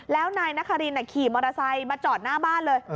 แล้วนายนครินขี่มอเตอร์ไซค์มาจอดหน้าบ้านเลย